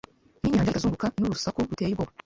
nkinyanja ikazunguruka nurusaku ruteye ubwoba